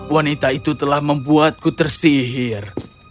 wanita itu telah membuatku tersihir